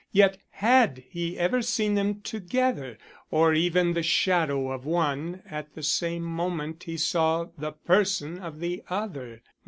Yet had he ever seen them together, or even the shadow of one at the same moment he saw the person of the other?